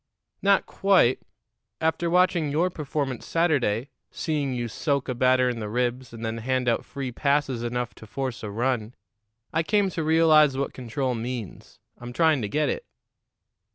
"Not quite. After watching your performance Saturday seeing you soak a batter in the ribs, and then hand out free passes enough to force a run I came to realize what control means. I'm trying to get it."